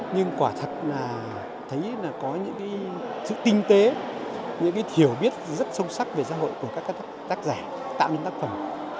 nhưng quả thật là thấy là có những sự tinh tế những hiểu biết rất sâu sắc về xã hội của các tác giả tạo nên tác phẩm